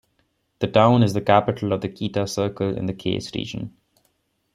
The town is the capital of the Kita Cercle in the Kayes Region.